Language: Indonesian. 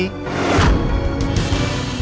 jangan cuma mintanya dipahami